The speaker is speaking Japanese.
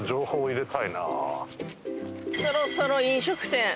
そろそろ飲食店。